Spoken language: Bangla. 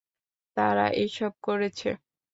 তারা এসব করেছে!